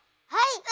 はい！